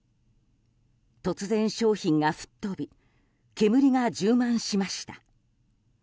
突然、商品が吹っ飛び煙が充満しました。